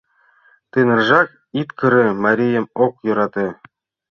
— Тынаржак ит кыре, марием ок йӧрате.